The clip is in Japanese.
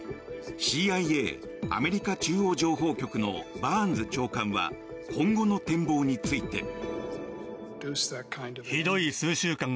ＣＩＡ・アメリカ中央情報局のバーンズ長官は今後の展望について。